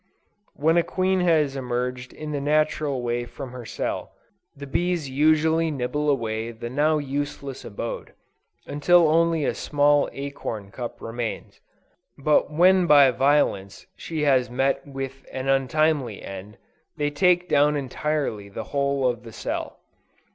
When a queen has emerged in the natural way from her cell, the bees usually nibble away the now useless abode, until only a small acorn cup remains; but when by violence she has met with an untimely end, they take down entirely the whole of the cell.